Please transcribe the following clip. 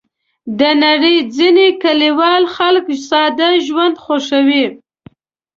د نړۍ ځینې کلیوال خلک ساده ژوند خوښوي.